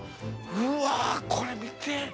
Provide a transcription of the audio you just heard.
うわこれ見て。